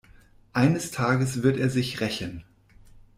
Eines Tages wird er sich rächen.